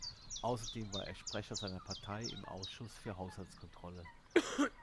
Außerdem war er Sprecher seiner Partei im Ausschuss für Haushaltskontrolle.